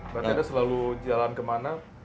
berarti anda selalu jalan kemana